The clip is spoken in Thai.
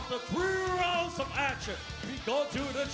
ทุกผู้ชมครับหลังจาก๓รุ่นภาพภาพ